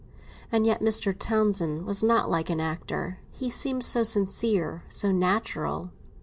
And yet Mr. Townsend was not like an actor; he seemed so sincere, so natural.